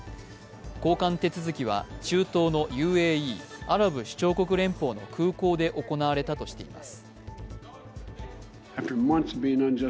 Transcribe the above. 交換手続きは、中東のＵＡＥ＝アラブ首長国連邦の空港で行われたとしています。